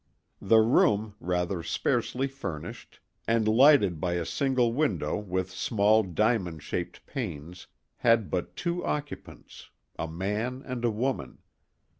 The room, rather sparely furnished, and lighted by a single window with small diamond shaped panes, had but two occupants; a man and a woman.